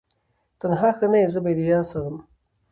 تنها ښه نه یې زه به دي یارسم